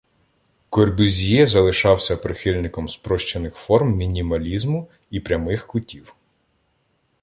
Корбюзьє залишався прихильником спрощених форм мінімалізму і прямих кутів.